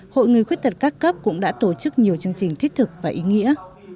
hội người khuyết tật các cấp cũng đã tổ chức nhiều chương trình thiết thực và ý nghĩa